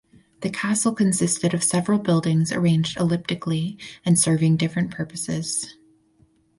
The castle consisted of several buildings arranged elliptically and serving different purposes.